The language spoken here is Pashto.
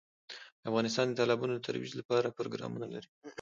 افغانستان د تالابونو د ترویج لپاره پروګرامونه لري.